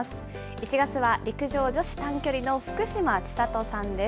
１月は陸上女子短距離の福島千里さんです。